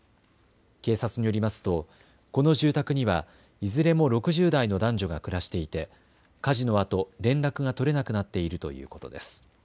警察によりますと、この住宅にはいずれも６０代の男女が暮らしていて、火事のあと連絡が取れなくなっているということです。